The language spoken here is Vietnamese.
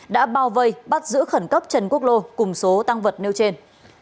đã bao vây bắt giữ khẩn cấp trần quốc lô cùng số tăng vật nêu trên